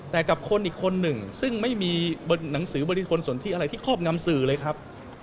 แต่กับคนอีกคนหนึ่งซึ่งไม่มีหนังสือบริคลสนที่อะไรที่ครอบงำสื่อเลยครับ